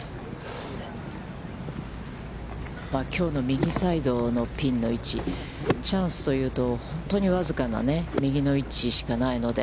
きょうの右サイドのピンの位置、チャンスというと、本当に僅かな右の位置しかないので。